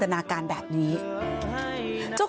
คุณผู้ชมค่ะคุณผู้ชมค่ะ